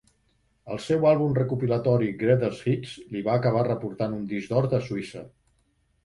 El seu àlbum recopilatori "Greatest Hits" li va acabar reportant un disc d'or a Suïssa.